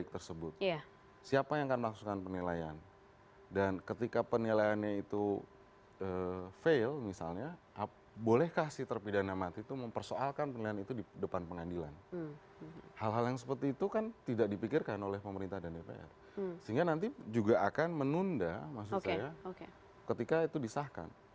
terima kasih terima kasih